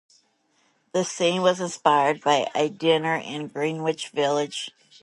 The scene was inspired by a diner in Greenwich Village.